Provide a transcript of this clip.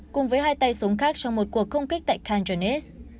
cùng với hai tay súng khác trong một cuộc công kích tại khan janis